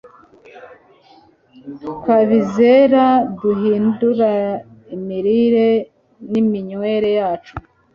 nkabizera duhindura imirire niminywere yacu